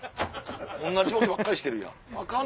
同じことばっかりしてるやん。